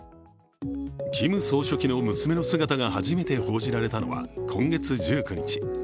キム総書記の娘の姿が初めて報じられたのは今月１９日。